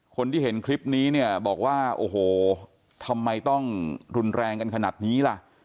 คนที่เห็นคลิปนี้เนี่ยบอกว่าโอ้โหทำไมต้องรุนแรงกันขนาดนี้ล่ะ